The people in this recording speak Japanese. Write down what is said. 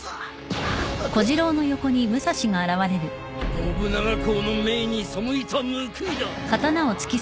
信長公の命に背いた報いだ！